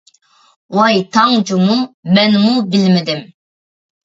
ۋاي تاڭ جۇمۇ، مەنمۇ بىلمىدىم!